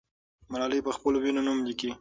ملالۍ پخپلو وینو نوم لیکي.